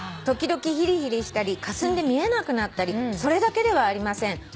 「時々ヒリヒリしたりかすんで見えなくなったりそれだけではありません。